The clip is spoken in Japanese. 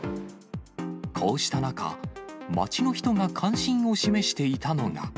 こうした中、街の人が関心を示していたのが。